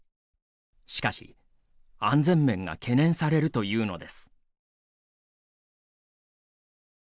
しかし安全面が懸念されるというのです。